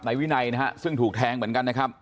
นายวินัยนะฮะซึ่งถูกแทงเหมือนกันนะครับ